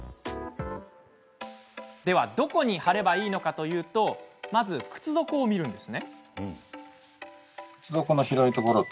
では、どこに貼ればいいのかというとまず靴底を見るんです。